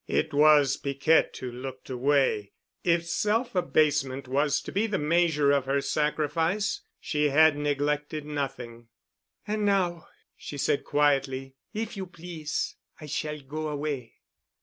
It was Piquette who looked away. If self abasement was to be the measure of her sacrifice, she had neglected nothing. "An' now," she said quietly, "if you please, I shall go away."